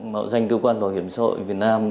mạo danh cơ quan bảo hiểm xã hội việt nam